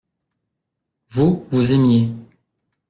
Vous, vous aimiez.